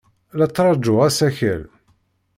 La ttṛajuɣ asakal.